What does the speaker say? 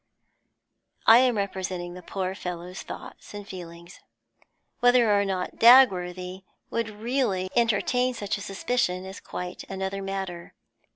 I am representing the poor fellow's thoughts and feelings. Whether or not Dagworthy would really entertain such a suspicion is quite another matter.